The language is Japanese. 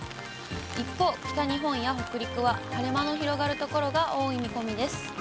一方、北日本や北陸は晴れ間の広がる所が多い見込みです。